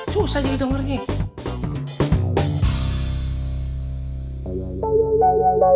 susah jadi dengernya